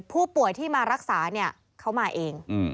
ผู้ป่วยที่มารักษาเนี่ยเขามาเอง